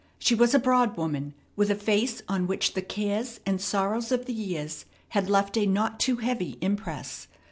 She was a broad woman, with a face on which the cares and sorrows of the years had left a not too heavy impress.